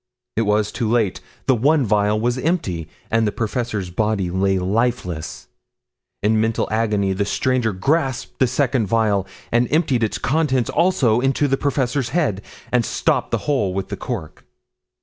It was too late, the one vial was empty, and the professor's body lay lifeless. In mental agony the stranger grasped the second vial and emptied its contents also into the professor's head, and stopped the hole with the cork.